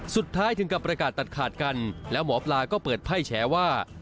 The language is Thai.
ถึงกับประกาศตัดขาดกันแล้วหมอปลาก็เปิดไพ่แฉว่า